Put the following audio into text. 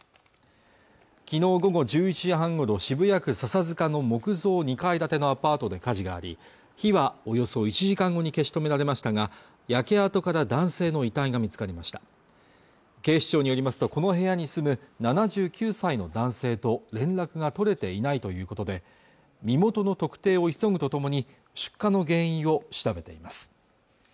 昨日午後１１時半ごろ渋谷区笹塚の木造２階建てのアパートで火事があり火はおよそ１時間後に消し止められましたが焼け跡から男性の遺体が見つかりました警視庁によりますとこの部屋に住む７９歳の男性と連絡が取れていないということで身元の特定を急ぐとともに出火の原因を調べています